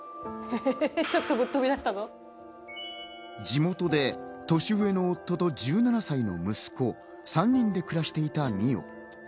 地元で年上の夫と１７歳の息子、３人で暮らしていた美央。